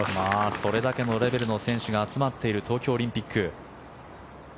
これだけのレベルの選手が集まっている東京オリンピック。